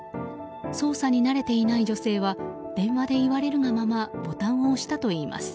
操作に慣れていない女性は電話で言われるがままボタンを押したといいます。